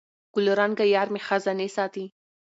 ګلرنګه یارمي خزانې ساتي